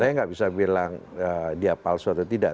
saya nggak bisa bilang dia palsu atau tidak